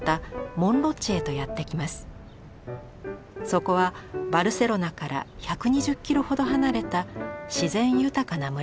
そこはバルセロナから１２０キロほど離れた自然豊かな村でした。